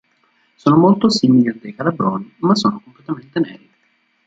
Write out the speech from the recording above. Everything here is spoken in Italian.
Sono molto simili a dei calabroni ma sono completamente neri.